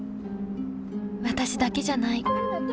私だけじゃない。